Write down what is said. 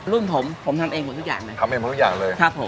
รุ่นผมผมทำเองหมดทุกอย่างเลยทำเองหมดทุกอย่างเลยครับผม